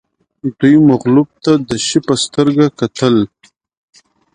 دوی مغلوب ته د شي په سترګه کتل